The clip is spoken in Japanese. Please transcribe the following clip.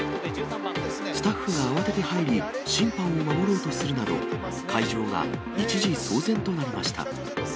スタッフが慌てて入り、審判を守ろうとするなど、会場が一時騒然となりました。